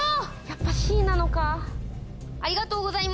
やっぱＣなのか。